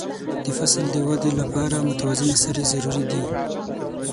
د فصل د وده لپاره متوازنه سرې ضروري دي.